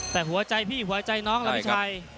แต่หัวใจพี่หัวใจน้องล่ะพี่ชัย